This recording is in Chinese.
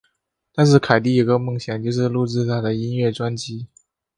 但是凯蒂有个梦想就是录制她的音乐专辑。